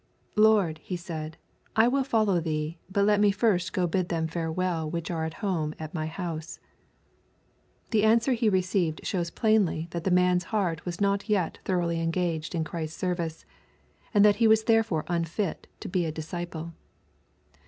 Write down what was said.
"Lord," he said, "I will follow thee; but let me first go bid them farewell which are at home at my house/' — The answer he received shows plainly that the man's heart was not yet thoroughly engaged in Christ's service, and that he was therefore unfit to be a disciple.